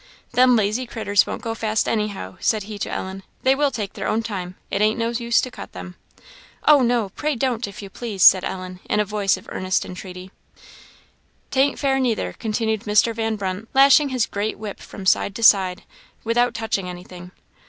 "Them lazy critters won't go fast anyhow," said he to Ellen; "they will take their own time; it ain't no use to cut them." "Oh, no! Pray don't, if you please!" said Ellen, in a voice of earnest entreaty. " 'Tain't fair, neither," continued Mr. Van Brunt, lashing his great whip from side to side without touching anything.